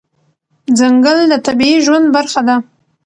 ځنګل د طبیعي ژوند برخه ده.